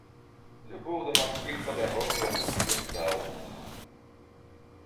Любоў да марскіх падарожжаў у яе здаўна.